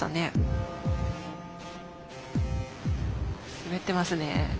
滑ってますね。